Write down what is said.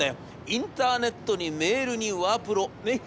インターネットにメールにワープロねっ。